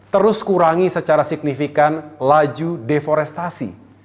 terus kurangi secara signifikan laju deforestasi